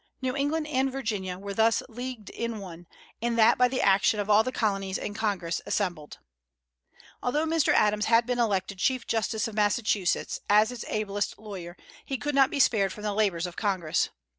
New England and Virginia were thus leagued in one, and that by the action of all the Colonies in Congress assembled. Although Mr. Adams had been elected chief justice of Massachusetts, as its ablest lawyer, he could not be spared from the labors of Congress.